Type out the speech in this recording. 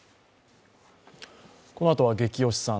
このあとは「ゲキ推しさん」